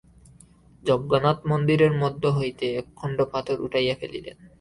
যজ্ঞনাথ মন্দিরের মধ্য হইতে একখণ্ড পাথর উঠাইয়া ফেলিলেন।